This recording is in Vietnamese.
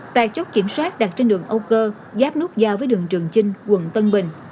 tại chốt kiểm soát đặt trên đường âu cơ giáp nút giao với đường trường chinh quận tân bình